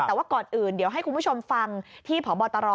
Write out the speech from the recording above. แต่ว่าก่อนอื่นเดี๋ยวให้คุณผู้ชมฟังที่พบตร